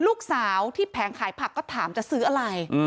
ลูกสาวที่แผงขายผักก็ถามจะซื้ออะไร